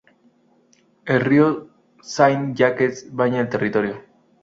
El río Saint-Jacques baña el territorio.